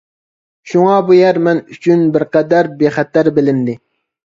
شۇڭا بۇ يەر مەن ئۈچۈن بىرقەدەر بىخەتەر بىلىندى.